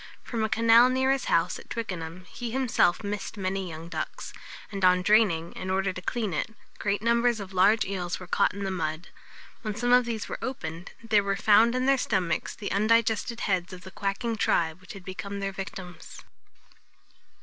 From a canal near his house at Twickenham he himself missed many young ducks; and on draining, in order to clean it, great numbers of large eels were caught in the mud. When some of these were opened, there were found in their stomachs the undigested heads of the quacking tribe which had become their victims.